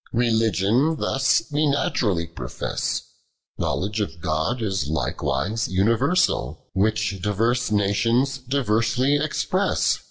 10. Beligion thus we naturally profess ; Knowledge of God is likewise universal ; Which divers nations diverslj express.